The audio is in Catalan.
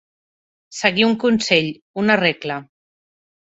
Seguir un consell, una regla.